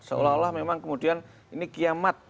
seolah olah memang kemudian ini kiamat